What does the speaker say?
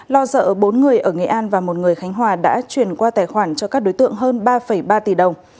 lo sợ bốn người ở nghệ an và một người khánh hòa đã chuyển qua tài khoản cho các đối tượng hơn ba ba tỷ đồng